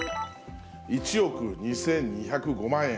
１億２２０５万円。